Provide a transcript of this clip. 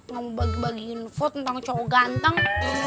mau bagi bagi info tentang cowok ganteng